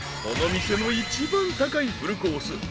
［この店の一番高いフルコース。